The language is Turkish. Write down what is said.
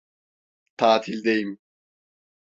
Tatildeyim.